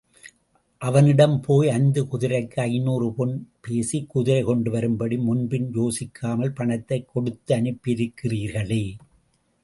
அவனிடம் போய் ஐந்து குதிரைக்கு ஐநூறு பொன் பேசி குதிரை கொண்டு வரும்படி, முன்பின் யோசியாமல் பணத்தைக் கொடுத்தனுப்பியிருக்கிறீர்களே!